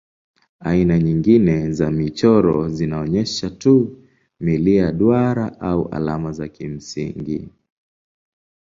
Aina nyingine za michoro zinaonyesha tu milia, duara au alama za kimsingi.